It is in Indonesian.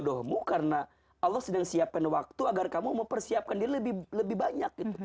dohmu karena allah sedang siapkan waktu agar kamu mempersiapkan diri lebih banyak